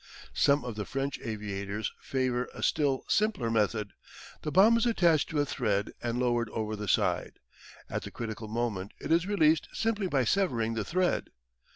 Some of the French aviators favour a still simpler method. The bomb is attached to a thread and lowered over the side. At the critical moment it is released simply by severing the thread.